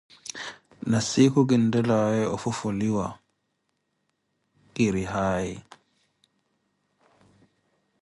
Na siikhu kinttelaaya ofufuliwa ki ri haayi.